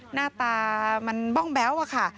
หน้าตามันบ้องแบ๊วอะค่ะ